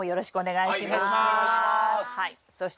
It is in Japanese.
はい。